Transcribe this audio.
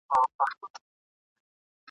څوک چي په ژوند کي سړی آزار کي !.